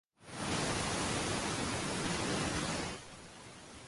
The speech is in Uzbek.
• Olov bo‘lmagan yerdan tutun chiqmas.